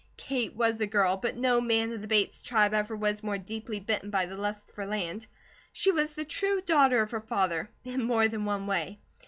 Kate was a girl, but no man of the Bates tribe ever was more deeply bitten by the lust for land. She was the true daughter of her father, in more than one way.